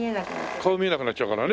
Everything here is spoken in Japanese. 顔見えなくなっちゃうからね。